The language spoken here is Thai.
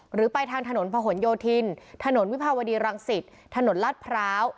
หรือไปทางถนนพะหนโยธินถนนวิภาวดีรังสิตถนนลาดพร้าว